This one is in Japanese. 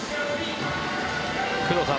工藤さん